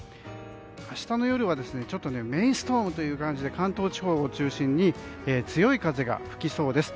明日の夜は、ちょっとメイストームという感じで関東地方を中心に強い風が吹きそうです。